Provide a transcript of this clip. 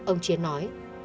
ông chiến nói